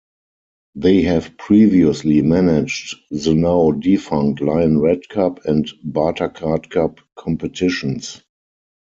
They have previously managed the now defunct Lion Red Cup and Bartercard Cup competitions.